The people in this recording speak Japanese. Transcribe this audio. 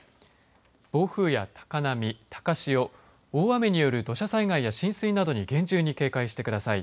暴風や高波高潮、大雨による土砂災害や浸水などに厳重に警戒してください。